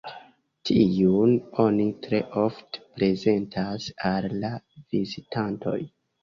Tiun oni tre ofte prezentas al la vizitantoj.